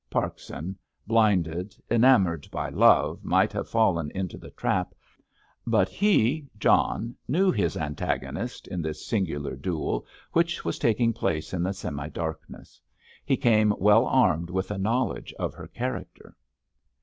Parkson, blinded, enamoured by love, might have fallen into the trap, but he, John, knew his antagonist in this singular duel which was taking place in the semi darkness. He came well armed with a knowledge of her character.